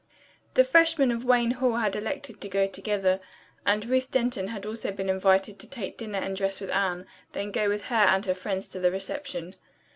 The freshmen of Wayne Hall had elected to go together, and Ruth Denton had also been invited to take dinner and dress with Anne, then go with her and her friends to the reception.